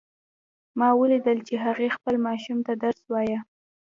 ما ولیدل چې هغې خپل ماشوم ته درس وایه